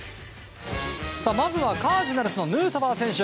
まずはカージナルスのヌートバー選手。